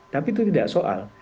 tapi itu tidak soal